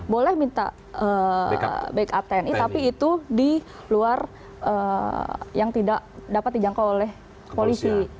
boleh minta backup tni tapi itu di luar yang tidak dapat dijangkau oleh polisi